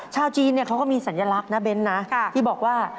ชาวจีนเขาก็มีสัญลักษณ์นะเบ้นนะที่บอกว่า